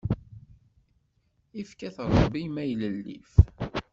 Ifka-t Ṛebbi i maylellif.